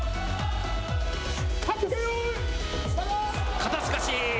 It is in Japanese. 肩透かし。